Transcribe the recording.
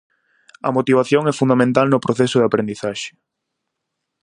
A motivación é fundamental no proceso de aprendizaxe.